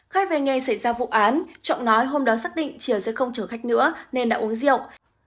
khai về ngày xảy ra vụ án trọng nói hôm đó xác định triều sẽ không chở khách nữa nên đã uống rượu